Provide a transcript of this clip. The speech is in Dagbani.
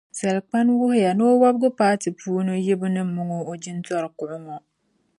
zalikpani wuhiya ni o Wɔbigu paati puuni yibu ni mɔŋɔ o jintɔri kuɣ ŋɔ.